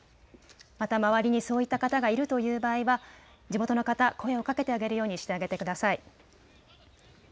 また周りにそういった方がいるという場合は地元の方、声をかけてあげるようにしてあげてください。